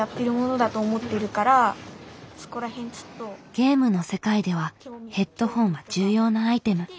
ゲームの世界ではヘッドホンは重要なアイテム。